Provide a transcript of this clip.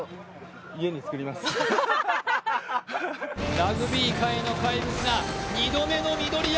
ラグビー界の怪物が２度目の緑山。